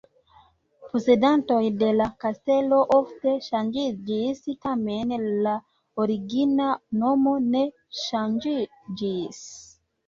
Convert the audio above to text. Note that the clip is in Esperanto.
Posedantoj de la kastelo ofte ŝanĝiĝis, tamen la origina nomo ne ŝanĝiĝis.